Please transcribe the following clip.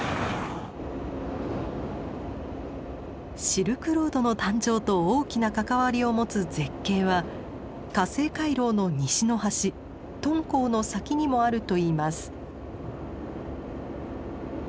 シルクロードの誕生と大きな関わりを持つ絶景は河西回廊の西の端敦煌の先にもあるといいます。